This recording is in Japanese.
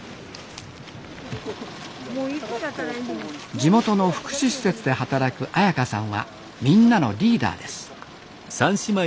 地元の福祉施設で働く朱伽さんはみんなのリーダーです。